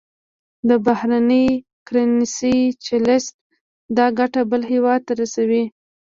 د بهرنۍ کرنسۍ چلښت دا ګټه بل هېواد ته رسوي.